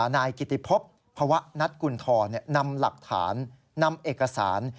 นายกิติพบภาวะนัทกุณฑรนำหลักฐานนำเอกสาร